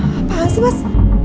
apaan sih mas